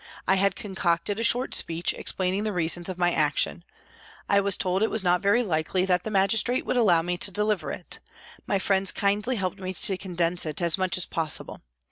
I had concocted a short speech, explaining the reasons of my action. I was told it was not very likely that the magistrate would allow me to deliver it ; my friends kindly helped me to condense it as much as possible.